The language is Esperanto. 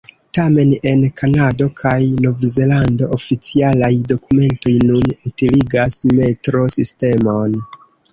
Tamen en Kanado kaj Novzelando, oficialaj dokumentoj nun utiligas metro-sistemon.